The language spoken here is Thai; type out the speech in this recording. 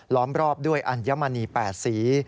ล้อมรอบด้วยอัญมณี๘สี